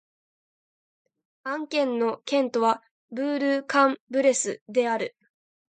アン県の県都はブール＝カン＝ブレスである